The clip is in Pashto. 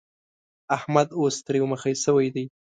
احمد اوس تريو مخی شوی دی.